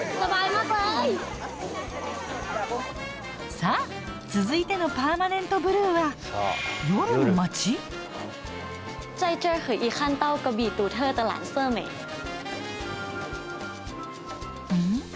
さあ続いてのパーマネントブルーはん？